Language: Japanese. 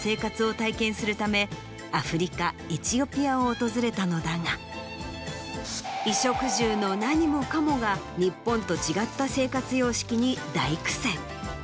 アフリカエチオピアを訪れたのだが衣食住の何もかもが日本と違った生活様式に大苦戦。